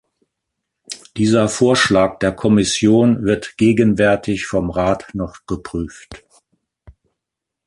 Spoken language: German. Dieser Vorschlag der Kommission wird gegenwärtig vom Rat noch geprüft.